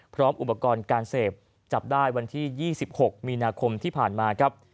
พร้อมอุปกรณ์การเสพจับได้วันที่๒๖มีนาคมที่ผ่านมาครับ